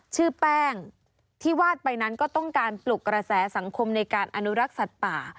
ชื่อแป้งที่วาดไปนั้นก็ต้องการปลุกกระแสสังคมในการอนุรักษ์สัตว์ป่า